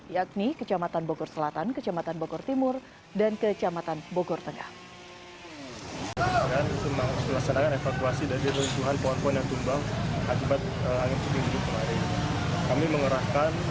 yakni kecamatan bogor selatan kecamatan bogor timur dan kecamatan bogor tengah